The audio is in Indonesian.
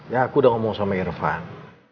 ya aku udah ngomong sama irfan